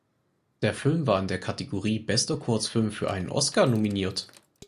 Der Film war in der Kategorie „Bester Kurzfilm“ für einen Oscar nominiert.